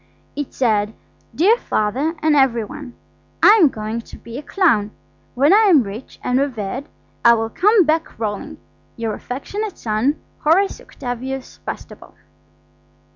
It said– "DEAR FATHER AND EVERY ONE,–I am going to be a Clown. When I am rich and reveared I will come back rolling. "Your affectionate son, "HORACE OCTAVIUS BASTABLE."